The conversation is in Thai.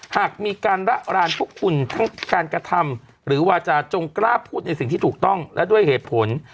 หากมีการระรานพวกคุณทั้งการกระทำหรือวาจาจงกล้าพูดในสิ่งที่ถูกต้องและด้วยเหตุผล